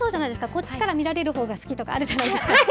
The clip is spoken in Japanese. こっちから見られるほうが好きとかあるじゃないですか。